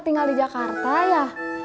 tinggal di jakarta ya